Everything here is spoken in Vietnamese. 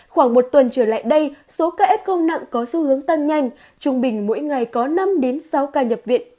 khoảng một tuần trở lại đây số ca f công nặng có xu hướng tăng nhanh trung bình mỗi ngày có năm sáu ca nhập viện